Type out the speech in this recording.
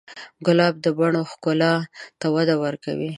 ګلاب د بڼو ښکلا ته وده ورکوي.